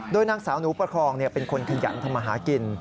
โดยนางสาวหนูประคองเป็นคนขยันทำมาหากิน